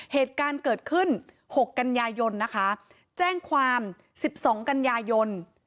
เหตุการณ์เกิดขึ้นหกกัญญายนนะคะแจ้งความสิบสองกัญญายน